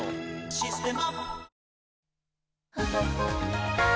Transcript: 「システマ」